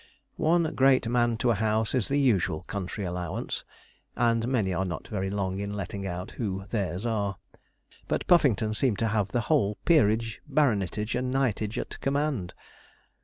One great man to a house is the usual country allowance, and many are not very long in letting out who theirs are; but Puffington seemed to have the whole peerage, baronetage, and knightage at command.